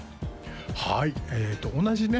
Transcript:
はい同じね